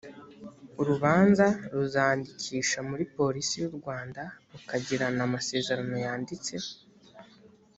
urubanza ruzandikisha muri polisi y’u rwanda rukagirana amasezerano yanditse